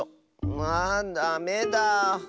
ああダメだ。